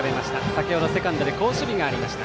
先程、セカンドで好守備がありました。